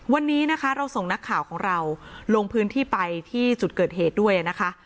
วันนี้นะคะเราส่งนักข่าวของเราลงพื้นที่ไปที่จุดเกิดเหตุด้วยนะคะ